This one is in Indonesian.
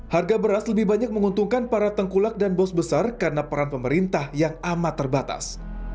harga beras lebih banyak menguntungkan para tengkulak dan bos besar karena peran pemerintah yang amat terbatas